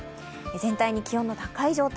全体に気温の高い状態